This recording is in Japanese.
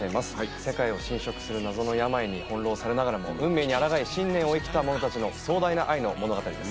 世界を侵食する謎の病に翻弄されながらも、運命に抗い、信念を生きた者たちの壮大な愛の物語です。